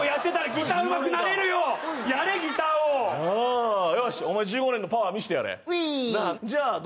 よし、お前１５年のパワー見せてやれ。